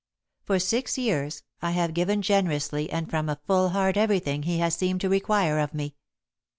For six years, I have given generously and from a full heart everything he has seemed to require of me.